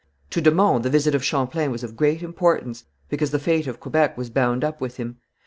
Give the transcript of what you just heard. To de Monts the visit of Champlain was of great importance, because the fate of Quebec was bound up with him.